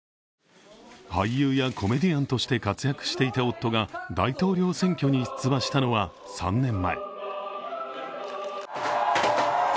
俳優やコメディアンとして活躍していた夫が大統領選挙に出馬したのは３年前。